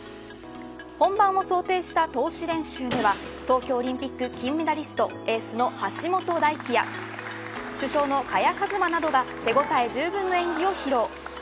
本番を想定した通し練習では東京オリンピック金メダリストエースの橋本大輝や主将の萱和磨などが手応えじゅうぶんの演技を披露。